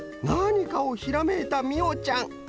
なにかをひらめいたみおちゃん。